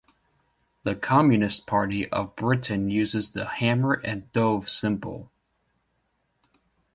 The Communist Party of Britain uses the hammer and dove symbol.